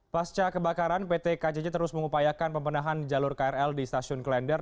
pasca kebakaran pt kcj terus mengupayakan pembenahan jalur krl di stasiun klender